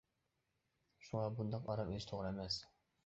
شۇڭا بۇنداق ئارام ئېلىش توغرا ئەمەس.